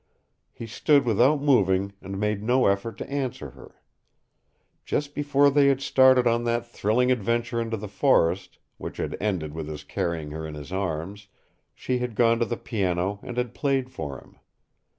He stood without moving and made no effort to answer her. Just before they had started on that thrilling adventure into the forest, which had ended with his carrying her in his arms, she had gone to the piano and had played for him.